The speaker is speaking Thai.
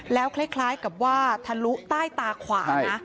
แล้วคล้ายกับว่าทะลุใต้ตาขวานะ